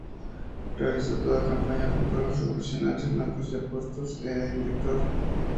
Realizó toda la campaña junto a los revolucionarios blancos, ya en puestos de director.